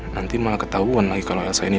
nanti malah ketahuan lagi kalau elsa ini nafi